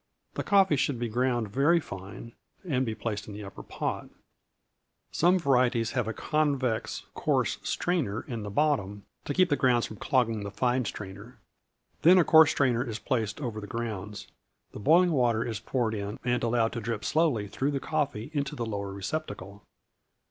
The coffee should be ground very fine, and be placed in the upper pot. Some varieties have a convex, coarse strainer in the bottom, to keep the grounds from clogging the fine strainer. Then a coarse strainer is placed over the grounds, the boiling water is poured in, and allowed to drip slowly through the coffee into the lower receptacle.